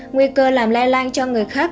nguy cơ làm lai lan cho người khác